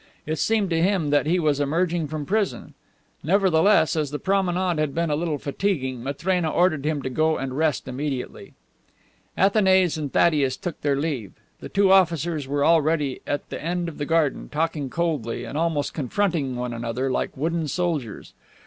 It seemed to him that he was emerging from prison. Nevertheless, as the promenade had been a little fatiguing, Matrena ordered him to go and rest immediately. Athanase and Thaddeus took their leave. The two officers were already at the end of the garden, talking coldly, and almost confronting one another, like wooden soldiers.